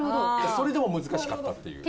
それでも難しかったっていう。